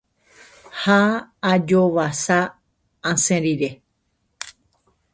ha ajovasa asẽ rire